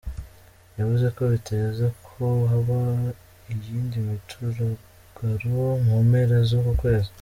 Yavuze ko biteze ko haba iyindi mituragaro mu mpera z'uku kwezi.